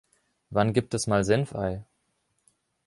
Wann gibt es Mal Senfei?